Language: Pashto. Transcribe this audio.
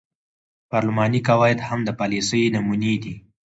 پارلماني قواعد هم د پالیسۍ نمونې دي.